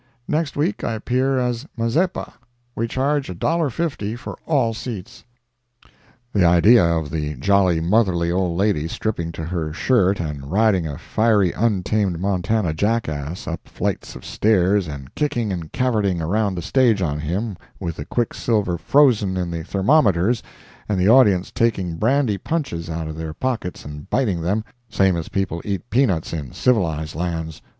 Next week I appear as Mazeppa. We charge $1.50 for all seats." The idea of the jolly, motherly old lady stripping to her shirt and riding a fiery untamed Montana jackass up flights of stairs and kicking and cavorting around the stage on him with the quicksilver frozen in the thermometers and the audience taking brandy punches out of their pockets and biting them, same as people eat peanuts in civilized lands!